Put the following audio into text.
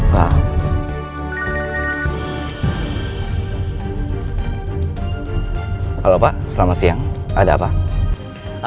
ya terus gimana dong